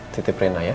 tetapi reyna ya